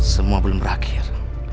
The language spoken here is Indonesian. semua belum berakhir